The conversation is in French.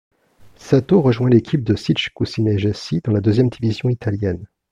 Sato rejoint l'équipe de Sicc Cucine Jesi dans la deuxième division italienne.